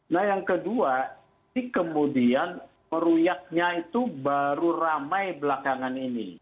nah yang kedua ini kemudian meruyaknya itu baru ramai belakangan ini